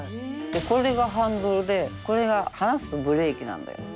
「これがハンドルでこれが離すとブレーキなんだよ」。